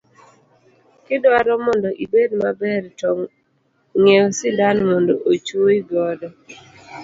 Kidwaro mondo ibed maber, to ngiiew sindan mondo ochuoyi godo.